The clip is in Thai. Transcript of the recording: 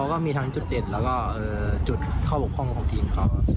ก็มีทั้งจุดเด่นแล้วก็จุดข้อบกพร่องของทีมเขา